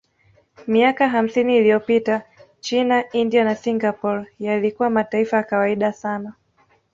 Miaka hamsini iliyopita China India na Singapore yalikuwa mataifa ya kawaida sana